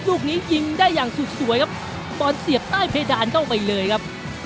ลูกนี้ยิงได้อย่างสุดสวยครับปอนเสียบใต้เพดานเข้าไปเลยครับ